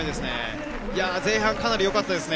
前半、かなりよかったですね。